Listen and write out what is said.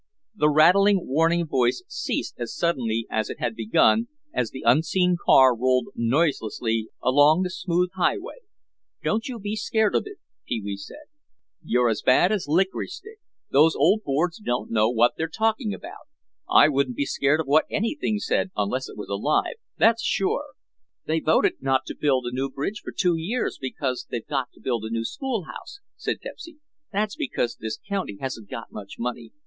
The rattling, warning voice ceased as suddenly as it had begun as the unseen car rolled noiselessly along the smooth highway. "Don't you be scared of it," Pee wee said. "You're as bad as Licorice Stick. Those old boards don't know what they're talking about. I wouldn't be scared of what anything said unless it was alive, that's sure." "They voted not to build a new bridge for two years because they've got to build a new school house," said Pepsy. "That's because this county hasn't got much money.